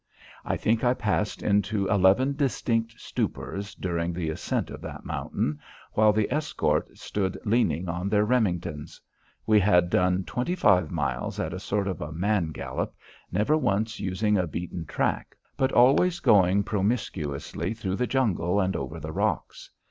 I think I passed into eleven distinct stupors during the ascent of that mountain while the escort stood leaning on their Remingtons. We had done twenty five miles at a sort of a man gallop, never once using a beaten track, but always going promiscuously through the jungle and over the rocks.